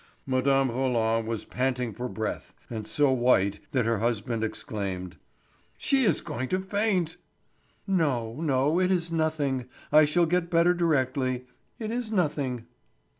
Mme. Roland was panting for breath, and so white that her husband exclaimed: "She is going to faint." "No, no, it is nothing—I shall get better directly—it is nothing."